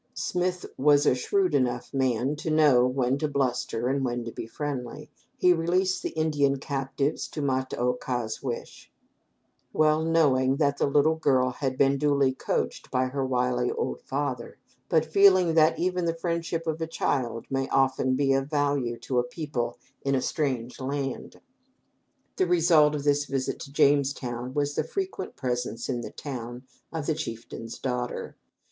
Smith was a shrewd enough man to know when to bluster and when to be friendly. He released the Indian captives at Ma ta oka's wish well knowing that the little girl had been duly "coached" by her wily old father, but feeling that even the friendship of a child may often be of value to people in a strange land. The result of this visit to Jamestown was the frequent presence in the town of the chieftain's daughter.